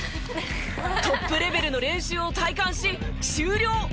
トップレベルの練習を体感し終了！